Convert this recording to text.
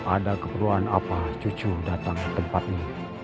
ada keperluan apa cucu datang ke tempat ini